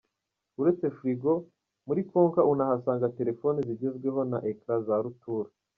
Uretse Frigo, muri Konka unahasanga telefoni zigezweho na Ecran za rutura.